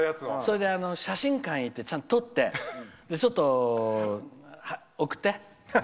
それで、写真館へ行ってちゃんと撮って、送って。